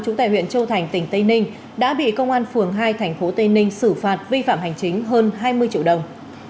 chủ tại huyện châu thành tỉnh tây ninh đã bị công an phường hai tp tây ninh xử phạt vi phạm hành chính hơn hai mươi triệu đồng